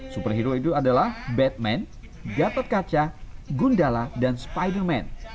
superhero itu adalah batman gatot kaca gundala dan spiderman